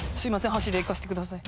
箸でいかせてください。